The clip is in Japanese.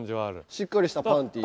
しっかりしたパンティ。